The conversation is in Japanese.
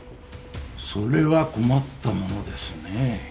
それは困ったものですねぇ。